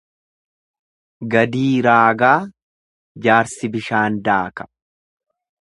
Gadii raagaa jaarsi bishaan daaka.